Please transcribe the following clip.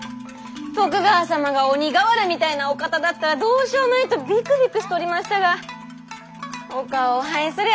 徳川様が鬼瓦みたいなお方だったらどうしよまいとビクビクしとりましたがお顔を拝すりゃ